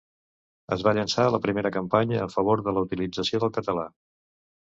Es va llançar la primera campanya a favor de la utilització del català.